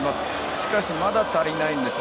しかしまだ足りないんですよ